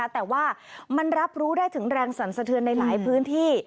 แต่ว่ามันรับรู้ได้ถึงแรงสั่นสะเทือนในหลายพื้นที่